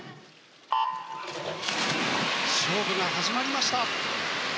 勝負が始まりました。